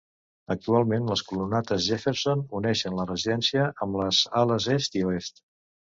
Actualment les columnates Jefferson uneixen la residència amb les Ales Est i Oest.